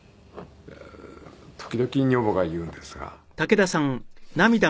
時々女房が言うんですが。